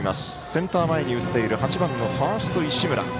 センター前に打っている８番のファースト、石村。